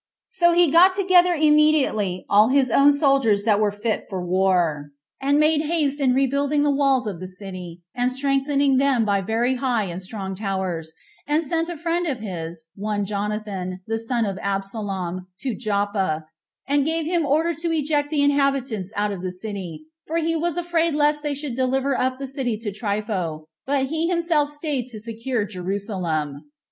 So he got together immediately all his own soldiers that were fit for war, and made haste in rebuilding the walls of the city, and strengthening them by very high and strong towers, and sent a friend of his, one Jonathan, the son of Absalom, to Joppa, and gave him order to eject the inhabitants out of the city, for he was afraid lest they should deliver up the city to Trypho; but he himself staid to secure Jerusalem.